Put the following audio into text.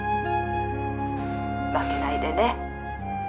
「負けないでね」